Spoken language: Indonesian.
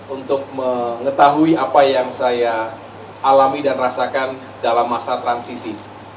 untuk mengetahui apa yang saya alami dan rasakan dalam masa transisi